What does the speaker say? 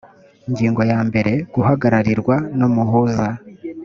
ingingo yambere guhagararirwa n umuhuza